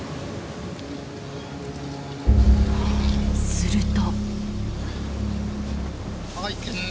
すると。